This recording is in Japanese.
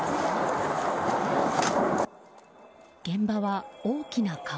現場は大きな川。